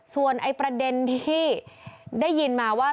ส่วนประเด็นที่ได้ยินมาว่า